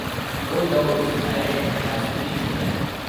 O'Dowd is married and has three children.